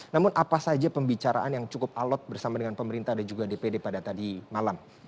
namun apa saja pembicaraan yang cukup alot bersama dengan pemerintah dan juga dpd pada tadi malam